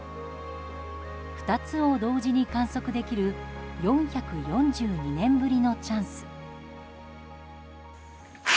２つを同時に観測できる４４２年ぶりのチャンス。